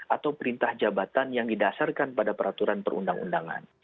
atau perintah jabatan yang didasarkan pada peraturan perundang undangan